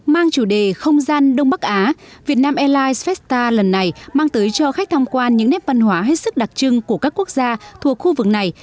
mang chủ đề không gian đông bắc á vietnam airlines festa lần này mang tới cho khách tham quan những nét văn hóa hết sức đặc trưng của các quốc gia thuộc khu vực này